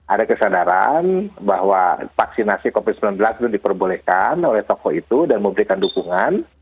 ada kesadaran bahwa vaksinasi covid sembilan belas itu diperbolehkan oleh tokoh itu dan memberikan dukungan